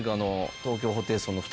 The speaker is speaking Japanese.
東京ホテイソンの２人